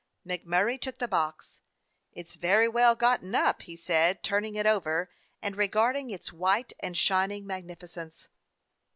MacMurray took the box. "It 's very well gotten up," he said, turning it over and re garding its white and shining magnificence.